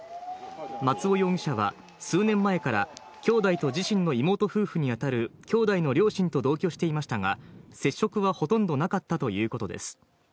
松尾容疑者は数年前から兄弟と自身の妹夫婦に当たる兄弟の両親と同居していましたが、接触はほとんどなかったということです。